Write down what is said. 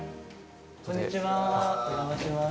こんにちは。